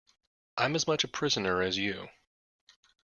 I'm as much a prisoner as you.